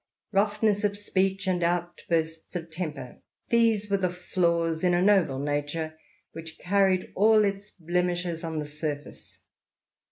Roughness of speech and outbursts of temper, these were the flaws in a noble character, which carried all its blemishes on the surface.